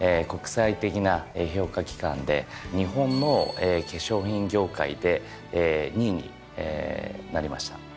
国際的な評価機関で日本の化粧品業界で２位になりました。